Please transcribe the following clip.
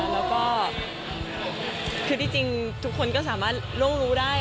แล้วก็คือที่จริงทุกคนก็สามารถล่วงรู้ได้